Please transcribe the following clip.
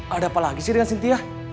ada apa lagi sih dengan sintia